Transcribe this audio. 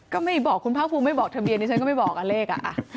ก็ไม่บอกคุณภาคภูมิไม่บอกทะเบียนดิฉันก็ไม่บอกกับเลขอ่ะ